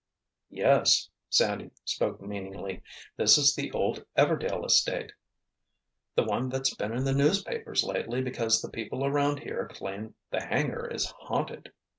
"Yes," Sandy spoke meaningly. "This is the old Everdail estate—the one that's been in the newspapers lately because the people around here claim the hangar is haunted."